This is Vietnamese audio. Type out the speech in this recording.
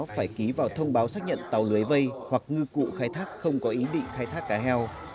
phải ký vào thông báo xác nhận tàu lưới vây hoặc ngư cụ khai thác không có ý định khai thác cá heo